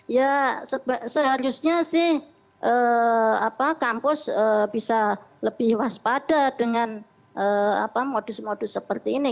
ya seharusnya sih kampus bisa lebih waspada dengan modus modus seperti ini